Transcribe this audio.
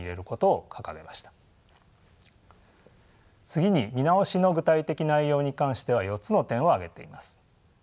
次に見直しの具体的内容に関しては４つの点を挙げています。